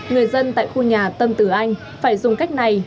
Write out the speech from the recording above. người dân tại khu nhà tâm tử anh phải dùng cách này